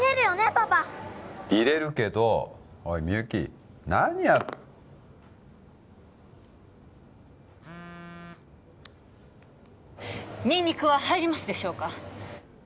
パパ入れるけどおいみゆき何やっニンニクは入りますでしょうか？